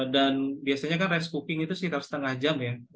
dan biasanya kan rice cooking itu sekitar setengah jam ya